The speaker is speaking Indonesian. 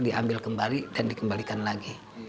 diambil kembali dan dikembalikan lagi